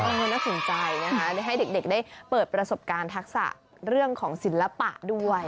น่าสนใจนะคะได้ให้เด็กได้เปิดประสบการณ์ทักษะเรื่องของศิลปะด้วย